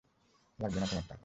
লাগবে না তোমার টাকা!